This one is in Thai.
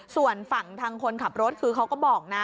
ส่วนฝั่งทางคนขับรถคือเขาก็บอกนะ